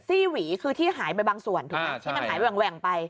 ซี่หวีคือที่หายไปบางส่วนถูกไหมที่มันหายแหว่งไป